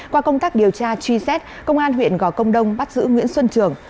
qua công tác điều tra truy xét công an huyện gò công đông bắt giữ nguyễn xuân trường